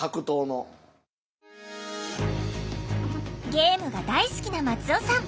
ゲームが大好きな松尾さん。